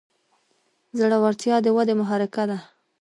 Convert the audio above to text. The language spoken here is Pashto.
زړورتیا د ودې محرکه ده.